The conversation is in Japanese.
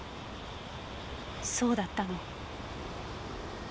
そうだったの。